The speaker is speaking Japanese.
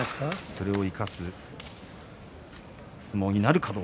それを生かした相撲になるかと。